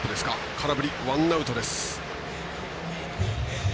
空振り、ワンアウトです。